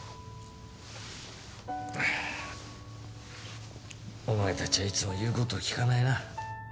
お前たちはいつも言うことを聞かないな。